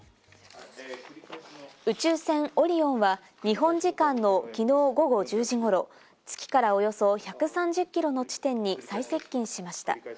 宇宙船「オリオン」は日本時間の昨日午後１０時頃、月から、およそ１３０キロの地点に最接近しました。